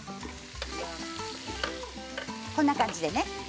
こんな感じでね。